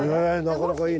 なかなかいい。